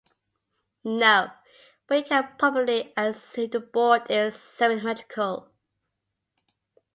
No, but you can probably assume the board is symmetrical.